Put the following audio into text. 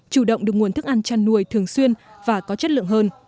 chủ động được nguồn thức ăn chăn nuôi thường xuyên và có chất lượng hơn